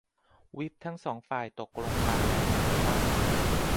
วิปทั้งสองฝ่ายตกลงกันแล้วว่าจะตั้ง